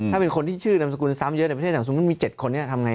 ถ้าเป็นคนที่ชื่อนามสกุลซ้ำเยอะในประเทศ๓๐มันมี๗คนนี้ทำไง